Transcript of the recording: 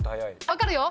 分かるよ。